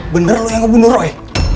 bener loh yang ngebunuh roy